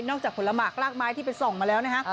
จากผลหมากลากไม้ที่ไปส่องมาแล้วนะฮะ